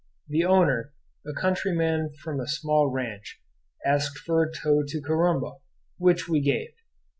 The owner, a countryman from a small ranch, asked for a tow to Corumba, which we gave.